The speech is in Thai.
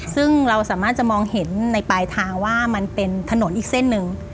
ซึ่งเราสามารถจะมองเห็นในปลายทางว่ามันเป็นถนนอีกเส้นหนึ่ง